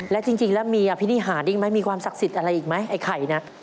และจริงแล้วมีอภินิหารความศักดิ์สิทธิ์อะไรอีกไหมไอ้ไข่เนี่ย